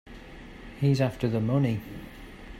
He's after the money.